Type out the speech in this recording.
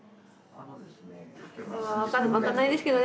分かんないですけどね